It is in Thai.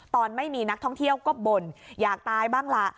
ตอนไม่มีนักท่องเที่ยวก็บ่นอยากตายบ้างล่ะ